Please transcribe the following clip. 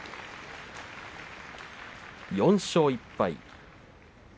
４勝１敗。